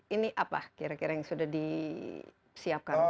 ini apa kira kira yang sudah disiapkan